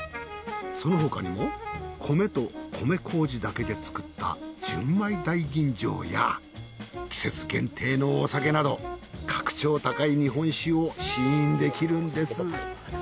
その他にも米と米麹だけで造った純米大吟醸や季節限定のお酒など格調高い日本酒を試飲できるんです。